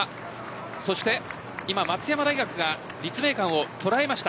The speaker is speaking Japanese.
そして今、松山大学が立命館をとらえました。